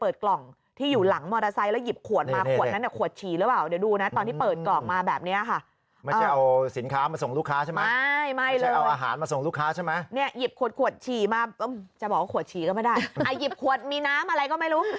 จะบอกว่าขวดฉีก็ไม่ได้อ่ะหยิบขวดมีน้ำอะไรก็ไม่รู้